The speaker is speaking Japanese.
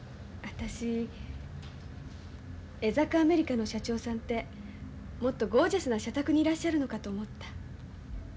私江坂アメリカの社長さんってもっとゴージャスな社宅にいらっしゃるのかと思った。